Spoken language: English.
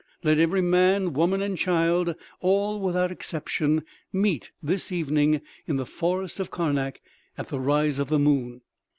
_Let every man, woman and child, all without exception, meet this evening in the forest of Karnak at the rise of the moon.